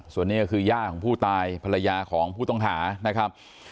ส่วนนี้ก็คือย่างผู้ตายภรรยาของผู้ต้องหา